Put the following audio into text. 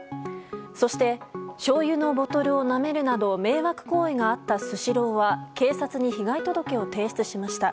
そしてしょうゆのボトルをなめるなど迷惑行為があったスシローは警察に被害届を提出しました。